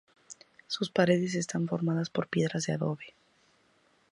Sus paredes están formadas por piedras de adobe.